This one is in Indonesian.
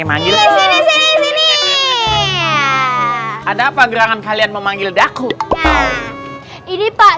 ada apa gerakan kalian memanggil daku ini pak